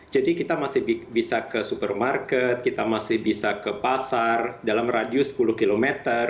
jadi kita masih bisa ke supermarket kita masih bisa ke pasar dalam radius sepuluh km